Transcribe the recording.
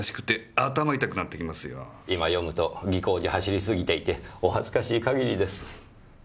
今読むと技巧に走りすぎていてお恥ずかしい限りです。